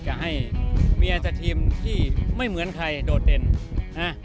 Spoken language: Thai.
จะให้เมียแต่ทีมที่ไม่เหมือนใครโดดเด่นนะ